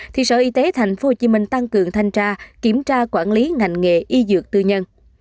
thì sở y tế tp hcm tăng cường thanh tra kiểm tra quản lý ngành nghề y dược tư nhân